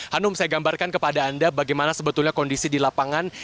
hanum saya gambarkan kepada anda bagaimana sebetulnya kondisi di lapangan